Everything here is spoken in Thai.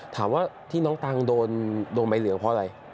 ถามว่าที่น้องตังโดนใบเหลืองเพราะอะไร